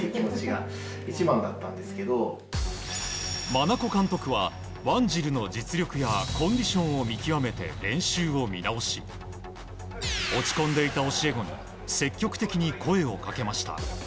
真名子監督はワンジルの実力やコンディションを見極めて練習を見直し落ち込んでいた教え子に積極的に声をかけました。